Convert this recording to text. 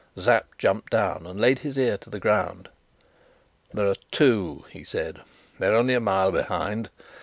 Sapt jumped down and laid his ear to the ground. "There are two," he said. "They're only a mile behind.